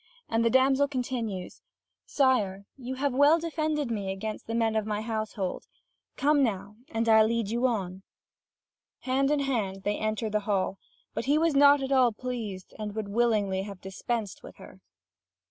And the damsel continues: "Sire you have well defended me against the men of my household. Come now, and I'll lead you on." Hand in hand they enter the hall, but he was not at all pleased, and would have willingly dispensed with her. (Vv.